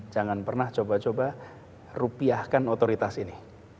jangan pernah coba coba rupiahkan otoritas ini